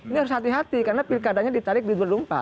ini harus hati hati karena pilkadanya ditarik di dua ribu empat